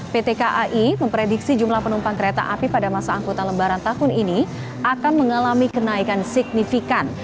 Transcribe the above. pt kai memprediksi jumlah penumpang kereta api pada masa angkutan lebaran tahun ini akan mengalami kenaikan signifikan